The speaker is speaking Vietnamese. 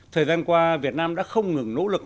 thời gian qua việt nam đã không ngừng nỗ lực